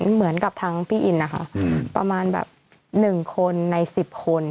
เหมือนกับทางพี่อินนะคะประมาณแบบ๑คนใน๑๐คน